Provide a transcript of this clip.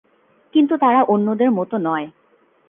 কিন্তু তারা অন্যদের মতো নয়।